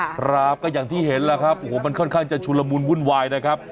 ครับก็อย่างที่เห็นแล้วครับโอ้โหมันค่อนข้างจะชุลมุนวุ่นวายนะครับ